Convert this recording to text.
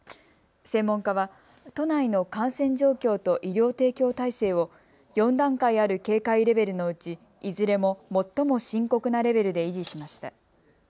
専門家は都内の感染状況と医療提供体制を４段階ある警戒レベルのうち、いずれも最も深刻なレベルで維持しました。